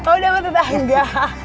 oh dapat tetangga